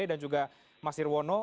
dan juga mas sirwono